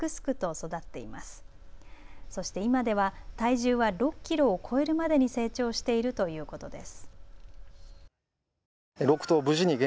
そして今では体重は６キロを超えるまでに成長しているということです。